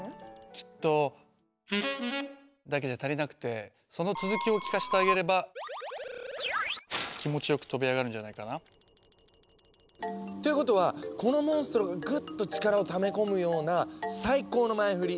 きっと。だけじゃ足りなくてその続きを聞かせてあげれば気持ちよく飛び上がるんじゃないかな。ということはこのモンストロがグッと力をため込むような最高の前フリ